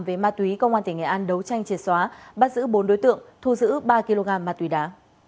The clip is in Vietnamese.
về ma túy công an tỉnh nghệ an đấu tranh triệt xóa bắt giữ bốn đối tượng thu giữ ba kg ma túy đá